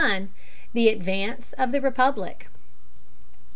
THE ADVANCE OF THE REPUBLIC.